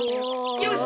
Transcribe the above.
よし！